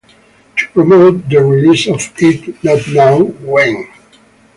To promote the release of If Not Now, When?